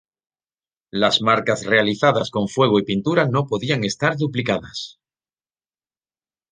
Las marcas realizadas con fuego y pintura no podían estar duplicadas.